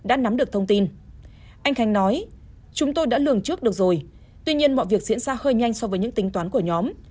anh khánh nói chúng tôi đã lường trước được rồi tuy nhiên mọi việc diễn ra hơi nhanh so với những tính toán của nhóm